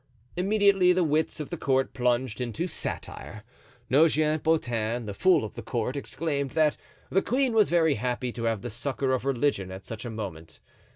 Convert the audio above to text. Immediately the wits of the court plunged into satire. Nogent Beautin, the fool of the court, exclaimed that "the queen was very happy to have the succor of religion at such a moment."